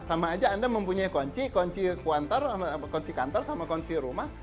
sama aja anda mempunyai kunci kantor sama kunci rumah